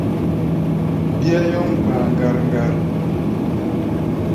Bíá nyɔ́ŋ gba̧a̧ ŋgar-ŋgar.